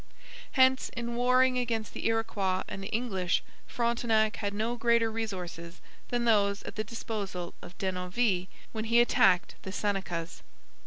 Hence, in warring against the Iroquois and the English Frontenac had no greater resources than those at the disposal of Denonville when he attacked the Senecas.